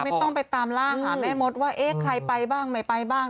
ไม่ต้องไปตามล่าหาแม่มดว่าเอ๊ะใครไปบ้างไม่ไปบ้าง